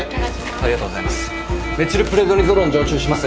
ありがとうございます。